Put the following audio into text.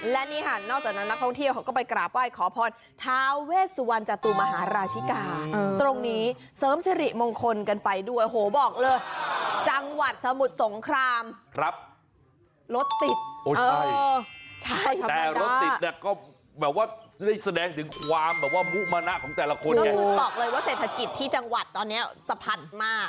และนี่ฮะนอกจากนั้นนักท่องเที่ยวเขาก็ไปกราบใบขอพร